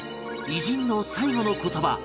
偉人の最期の言葉